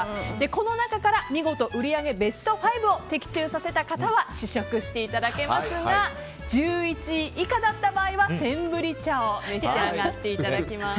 この中から見事売り上げベスト５を的中させた方は試食していただけますが１１位以下だった場合はセンブリ茶を召し上がっていただきます。